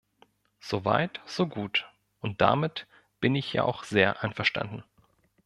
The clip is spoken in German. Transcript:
Soweit, so gut, und damit bin ich ja auch sehr einverstanden.